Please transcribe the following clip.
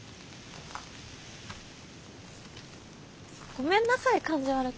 ごめんなさい感じ悪くて。